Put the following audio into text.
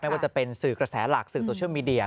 ว่าจะเป็นสื่อกระแสหลักสื่อโซเชียลมีเดีย